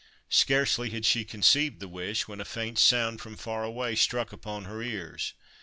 Scarcely had she conceived the wish, when a faint sound from far away struck upon her ears.